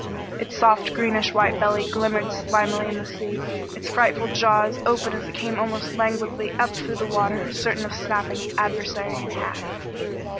Its soft greenish white belly glimmered slimily in the sea, its frightful jaws open as it came almost languidly up through the water, certain of snapping its adversary in half.